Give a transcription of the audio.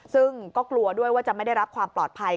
ซึ่งก็กลัวด้วยว่าจะไม่ได้รับความปลอดภัย